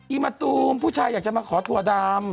มะตูมผู้ชายอยากจะมาขอถั่วดำ